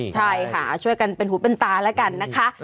ใช่ค่ะช่วยกันเป็นหูเป็นตาแล้วกันนะคะ